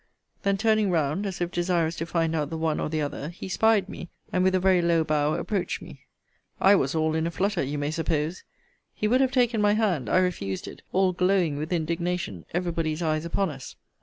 Then, turning round, as if desirous to find out the one or the other, he 'spied me, and with a very low bow, approached me. I was all in a flutter, you may suppose. He would have taken my hand. I refused it, all glowing with indignation: every body's eyes upon us.